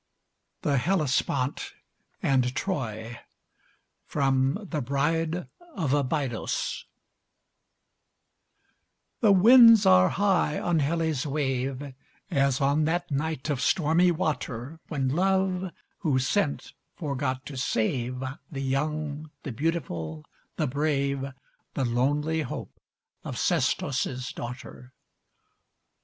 THE HELLESPONT AND TROY From 'The Bride of Abydos' The winds are high on Helle's wave; As on that night of stormy water, When Love, who sent, forgot to save The young, the beautiful, the brave, The lonely hope of Sestos's daughter.